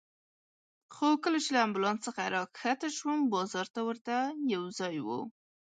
خو کله چې له امبولانس څخه راکښته شوم، بازار ته ورته یو ځای و.